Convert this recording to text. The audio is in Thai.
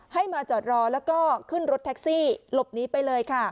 ให้มาจอดรอแล้วก็ขึ้นรถแท็กซี่หลบหนีไปเลยค่ะ